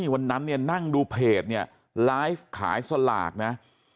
วันนั้นนั่งดูเพจนี่ไลฟ์ขายสลากนะ